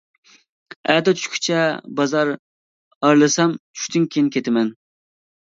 ئەتە چۈشكىچە بازار ئارىلىسام، چۈشتىن كېيىن كېتىمەن.